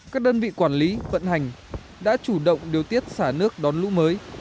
các đơn vị quản lý vận hành đã chủ động điều tiết xả nước đón lũ mới